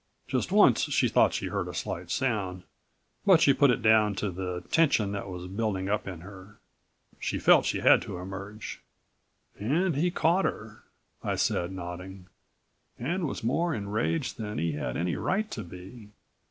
Just once she thought she heard a slight sound, but she put it down to the tension that was building up in her. She felt she had to emerge." "And he caught her," I said, nodding. "And was more enraged than he had any right to be.